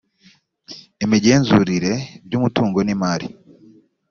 imigenzurire by umutungo n imari